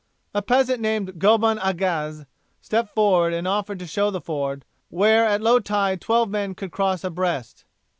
A peasant called Gobin Agase stepped forward and offered to show the ford, where at low tide twelve men could cross abreast.